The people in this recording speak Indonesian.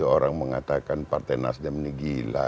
orang mengatakan partai nasdem ini gila